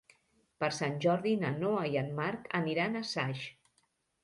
Per Sant Jordi na Noa i en Marc aniran a Saix.